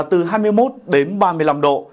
từ hai mươi một đến ba mươi năm độ